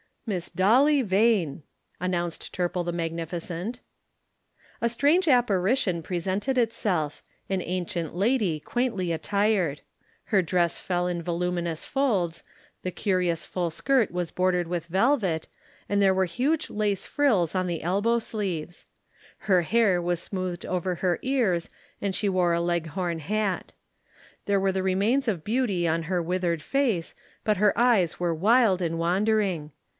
"Miss Dolly Vane," announced Turple the magnificent. A strange apparition presented itself an ancient lady quaintly attired. Her dress fell in voluminous folds the curious full skirt was bordered with velvet, and there were huge lace frills on the elbow sleeves. Her hair was smoothed over her ears and she wore a Leghorn hat. There were the remains of beauty on her withered face but her eyes were wild and wandering.